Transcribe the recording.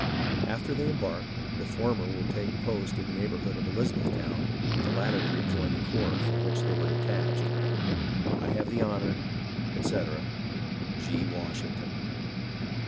After they embark, the former will take post in the neighbourhood of Eliza bethtown, the latter rejoin the corps from which they were de tached. I have the honour, etc. G. Washington.